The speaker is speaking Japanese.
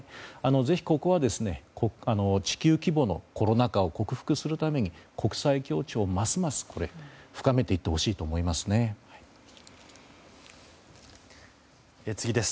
ぜひ、ここは地球規模のコロナ禍を克服するために国際協調をますます深めていってほしいと思います。